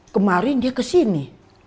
kemarin dia kesini